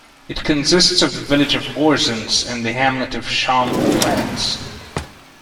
It consists of the village of Orzens and the hamlet of Champs Plats.